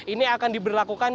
ini akan diberlakukan